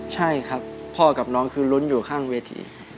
ใช่ครับพ่อกับน้องคือลุ้นอยู่ข้างเวทีครับ